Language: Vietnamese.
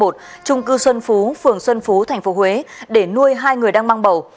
trung cư xuân phú phường xuân phú tp huế để nuôi hai người đang mang bầu